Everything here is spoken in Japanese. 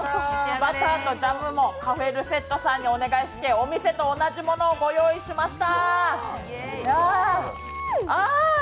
バターとジャムもＣａｆｅＲｅｃｅｔｔｅさんにお願いしてお店と同じものをご用意しました！